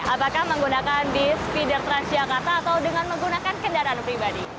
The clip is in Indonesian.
apakah menggunakan bis feeder transjakarta atau dengan menggunakan kendaraan pribadi